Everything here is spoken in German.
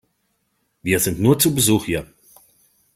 Wir sind nur zu Besuch hier.